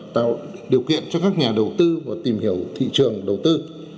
tạo điều kiện cho các nhà đầu tư tìm hiểu thị trường đầu tư